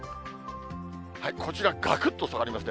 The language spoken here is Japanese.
こちら、がくっと下がりますね。